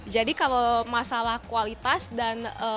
jadi kalau masalah kualitas dan